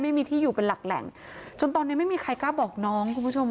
ไม่มีที่อยู่เป็นหลักแหล่งจนตอนนี้ไม่มีใครกล้าบอกน้องคุณผู้ชม